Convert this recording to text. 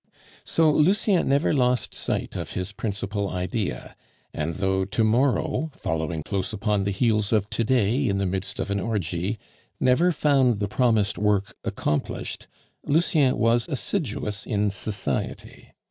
So Lucien never lost sight of his principal idea; and though to morrow, following close upon the heels of to day in the midst of an orgy, never found the promised work accomplished, Lucien was assiduous in society.